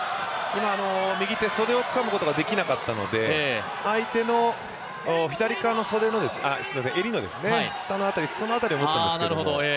右手袖をつかむことができなかったので、相手の左側の襟の下の辺り裾の辺りを持ったんですけど。